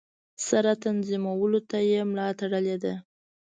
سره تنظیمولو ته یې ملا تړلې ده.